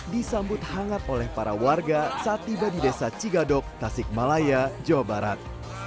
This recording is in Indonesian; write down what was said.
disambut hangat oleh para warga saat tiba di desa cigadok tasik malaya jawa barat